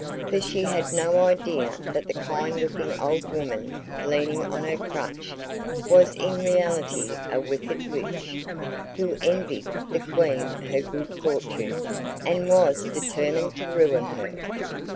For she had no idea that the kind looking old woman leaning on her crutch was in reality a wicked witch, who envied the Queen her good fortune, and was determined to ruin her.